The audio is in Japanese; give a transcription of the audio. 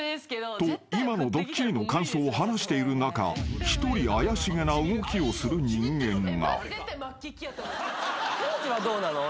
［と今のドッキリの感想を話している中一人怪しげな動きをする人間が］